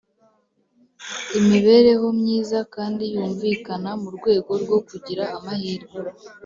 Imibereho myiza kandi yumvikana mu rwego rwo kugira amahirwe